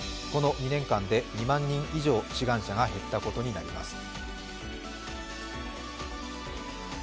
この２年間で２万人以上志願者が減ったことになります。